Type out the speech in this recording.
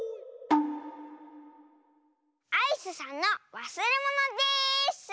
「アイスさんのわすれもの」です！